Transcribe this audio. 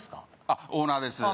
あっオーナーです